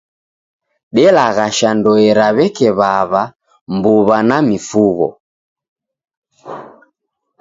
Delaghasha ndoe ra w'eke w'aw'a, mbuw'a na mifugho.